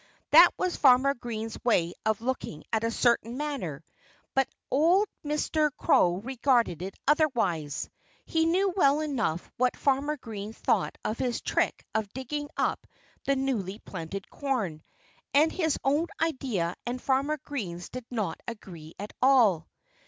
That was Farmer Green's way of looking at a certain matter. But old Mr. Crow regarded it otherwise. He knew well enough what Farmer Green thought of his trick of digging up the newly planted corn. And his own idea and Farmer Green's did not agree at all.